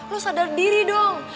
lo sadar diri dong